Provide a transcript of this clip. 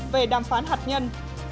về đàm phán hạt nhân